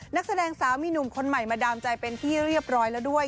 นักแสดงสาวมีหนุ่มคนใหม่มาดามใจเป็นที่เรียบร้อยแล้วด้วย